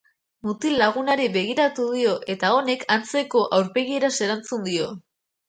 Mutil lagunari begiratu dio eta honek antzeko aurpegieraz erantzun dio.